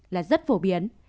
là rất phổ biến